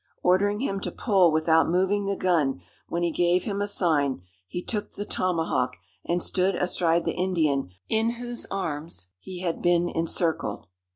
Ordering him to pull without moving the gun when he gave him a sign, he took the tomahawk, and stood astride the Indian in whose arms he had been encircled.